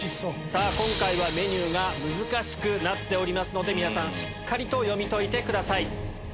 今回はメニューが難しくなっておりますので皆さんしっかりと読み解いてください。